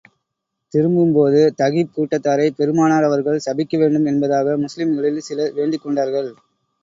திரும்பும் போது, தகீப் கூட்டத்தாரைப் பெருமானார் அவர்கள் சபிக்க வேண்டும் என்பதாக முஸ்லிம்களில் சிலர் வேண்டிக் கொண்டார்கள்.